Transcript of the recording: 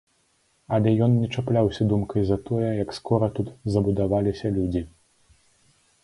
Але ён не чапляўся думкай за тое, як скора тут забудаваліся людзі.